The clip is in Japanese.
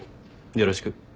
よろしく。